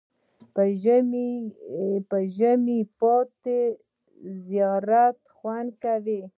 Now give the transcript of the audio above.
په ژمي پاتی زیات خوند کوي.